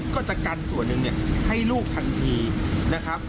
ก็จะกันส่วนหนึ่งให้ลูกทันทีนะครับ